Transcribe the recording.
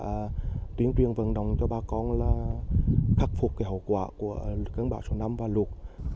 và tuyên truyền vận động cho bà con là khắc phục cái hậu quả của cơn bão số năm và lụt